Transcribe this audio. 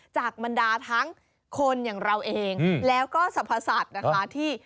บรรดาทั้งคนอย่างเราเองแล้วก็สรรพสัตว์นะคะที่